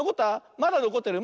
まだのこってる！